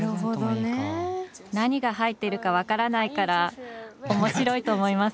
何が入っているか分からないから面白いと思います。